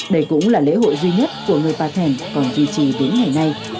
đây cũng là lễ hội duy nhất của người bà thèn còn duy trì đến ngày nay